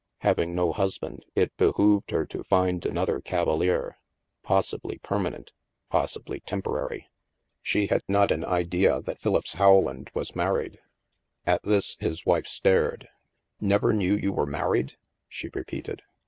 Having no husband, it behooved her to find another cavalier — possibly permanent, possibly temporary. She had not an idea that Philippse Howland was 264 THE MASK married. At this, his wife stared. " Never kijew you were married? " she repeated.